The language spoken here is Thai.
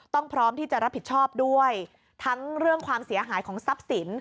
พร้อมที่จะรับผิดชอบด้วยทั้งเรื่องความเสียหายของทรัพย์สิน